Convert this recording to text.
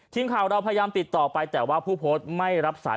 ทีมข่าวเราพยายามติดต่อไปแต่ว่าผู้โพสต์ไม่รับสาย